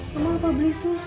lama lupa beli susu